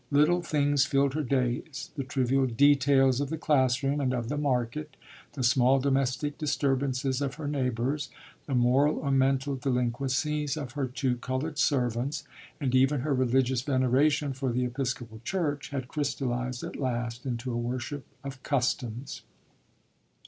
Little things filled her days the trivial details of the classroom and of the market, the small domestic disturbances of her neighbours, the moral or mental delinquencies of her two coloured servants and even her religious veneration for the Episcopal Church had crystallized at last into a worship of customs.